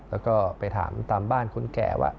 แล้วก็ไปถามตามบ้านคนแก่ว่า